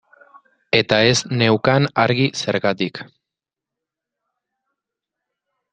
Eta ez neukan argi zergatik.